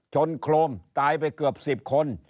โครมตายไปเกือบ๑๐คน